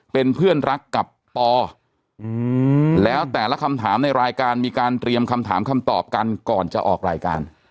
เป็นเพื่อนรักกับปอแล้วแต่ละคำถามในรายการมีการเตรียมคำถามคำตอบกันก่อนจะออกรายการ